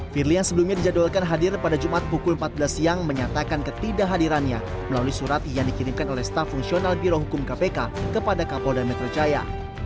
firly yang sebelumnya dijadwalkan hadir pada jumat pukul empat belas siang menyatakan ketidakhadirannya melalui surat yang dikirimkan oleh staff fungsional birohukum kpk kepada kapolda metro jaya